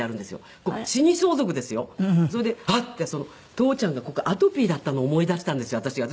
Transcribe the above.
父ちゃんがここアトピーだったのを思い出したんですよ私が。